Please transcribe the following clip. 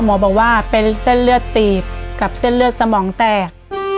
หมอบอกว่าเป็นเส้นเลือดตีบกับเส้นเลือดสมองแตก